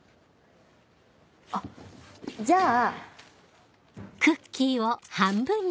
あっじゃあ。